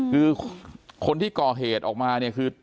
คือคนที่ก่อเหตุออกมาเนี่ยคือ